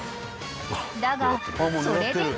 ［だがそれでも］